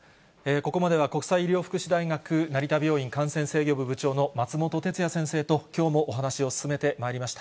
ここまでは国際医療福祉大学成田病院感染制御部部長の松本哲哉先生と、きょうもお話を進めてまいりました。